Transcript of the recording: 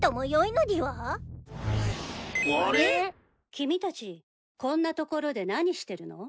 ・君たちこんな所で何してるの？